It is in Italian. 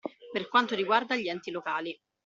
Per quanto riguarda gli enti locali.